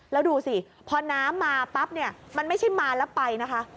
แล้วดูสิพอน้ำมาปั๊บเนี่ยมันไม่ใช่มาแล้วไปนะคะ